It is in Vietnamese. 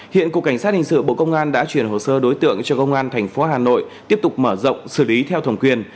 hiện cục cảnh sát hình sự bộ công an đã chuyển hồ sơ đối tượng cho công an thành phố hà nội tiếp tục mở rộng xử lý theo thẩm quyền